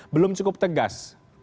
belum cukup tegas